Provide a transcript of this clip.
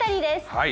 はい。